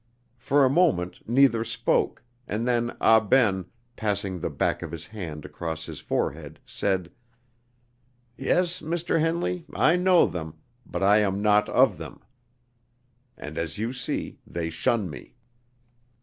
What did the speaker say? For a moment neither spoke, and then Ah Ben, passing the back of his hand across his forehead, said: "Yes, Mr. Henley, I know them, but I am not of them; and as you see, they shun me."